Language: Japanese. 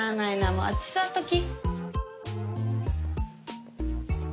もうあっち座っとき。